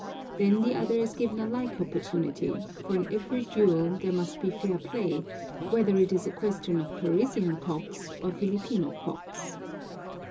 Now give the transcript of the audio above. Then the other is given a like opportunity, for in every duel there must be fair play, whether it is a question of Parisian cocks or Filipino cocks.